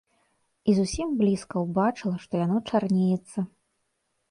І зусім блізка ўбачыла, што яно чарнеецца.